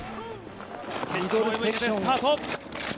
スタート。